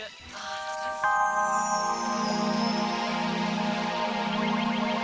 aduh udah gak sabar eke